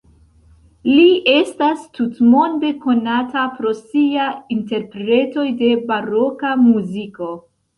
Li estas tutmonde konata pro sia interpretoj de baroka muziko.